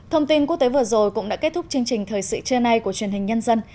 thông tin quốc tế vừa rồi cũng đã kết thúc chương trình thời sự trưa nay của truyền hình nhân dân